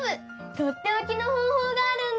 とっておきのほうほうがあるんだ。